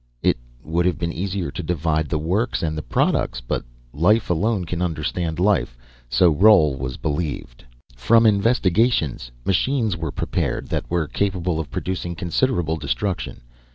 It would have been easier to divide the works and the products. But life alone can understand life, so Roal was believed. From investigations, machines were prepared that were capable of producing considerable destruction.